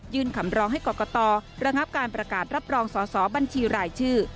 คำร้องให้กรกตระงับการประกาศรับรองสอสอบัญชีรายชื่อ